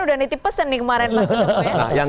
udah nity pesen nih kemarin pas itu ya nah yang